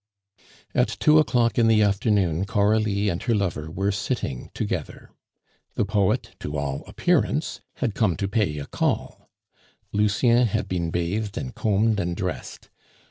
At two o'clock in the afternoon Coralie and her lover were sitting together. The poet to all appearance had come to pay a call. Lucien had been bathed and combed and dressed.